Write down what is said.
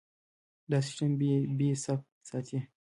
دا سیستم بیې ثابت ساتي.